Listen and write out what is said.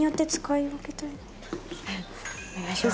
お願いします。